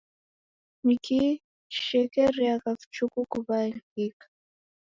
Ni kii chishekeriagha vichuku kuw'aghanyika?